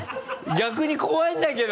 逆に怖いんだけど。